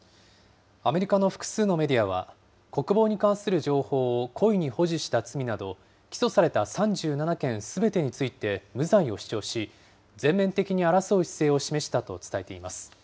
アメリカの複数のメディアは、国防に関する情報を故意に保持した罪など、起訴された３７件すべてについて無罪を主張し、全面的に争う姿勢を示したと伝えています。